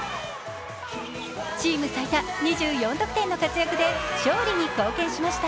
チーム最多２４得点の活躍で勝利に貢献しました。